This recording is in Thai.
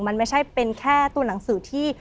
มันไม่ใช่เป็นแค่ตัวหนังสือที่